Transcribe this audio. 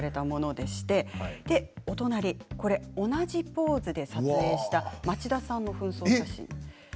そしてお隣同じポーズで撮影した町田さんのふん装写真です。